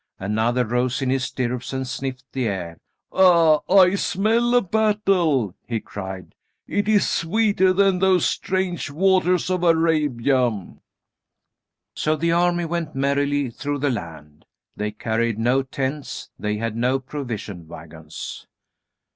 Another rose in his stirrups and sniffed the air. "Ah! I smell a battle," he cried. "It is sweeter than those strange waters of Arabia." So the army went merrily through the land. They carried no tents, they had no provision wagons.